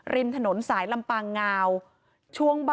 ริมถนนสายลำปางงาว